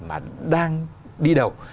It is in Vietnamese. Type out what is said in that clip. mà đang đi đầu